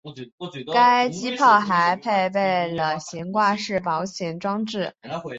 该机炮还配备了悬挂式保险装置。